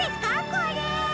これ。